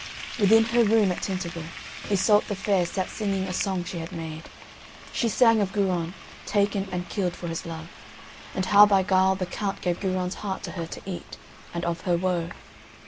Within her room at Tintagel Iseult the Fair sat singing a song she had made. She sang of Guron taken and killed for his love, and how by guile the Count gave Guron's heart to her to eat, and of her woe.